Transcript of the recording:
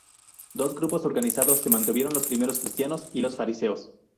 Dos grupos organizados se mantuvieron: los primeros cristianos y los fariseos.